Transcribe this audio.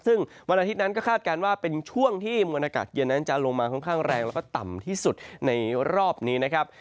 ซึ่งวันอาทิตย์นั้นก็คาดการณ์ว่าเป็นช่วงที่มวลอากาศเย็นนั้นจะลงมาค่อนข้างแรงแล้วก็ต่ำที่สุดในรอบนี้นะครับ